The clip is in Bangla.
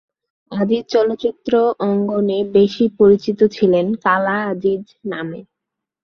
আজিজ চলচ্চিত্রে অঙ্গনে বেশি পরিচিত ছিলেন ‘কালা আজিজ’ নামে।